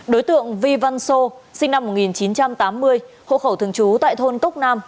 đối tượng vi văn sô sinh năm một nghìn chín trăm tám mươi hộ khẩu thường trú tại thôn cốc nam